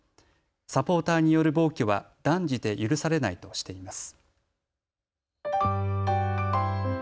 サポーターによる暴挙は断じて許されないとしています。